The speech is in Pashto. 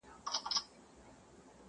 مړۍ غوړي سوې د ښار د فقیرانو!.